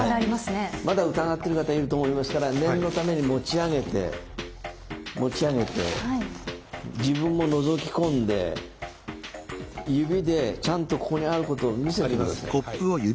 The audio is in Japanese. まだ疑ってる方いると思いますから念のために持ち上げて持ち上げて自分ものぞき込んで指でちゃんとここにあることを見せて下さい。